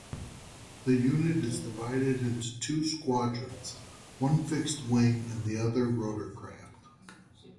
The unit is divided into two squadrons, one fixed-wing and the other rotorcraft.